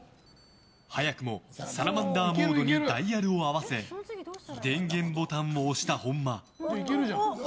早くもサラマンダーモードにダイヤルを合わせ電源ボタンを押した本間。